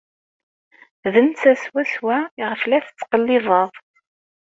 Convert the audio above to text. D netta swaswa iɣef la tettqellibeḍ.